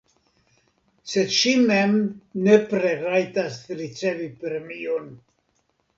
Sed ŝi mem nepre rajtas ricevi premion.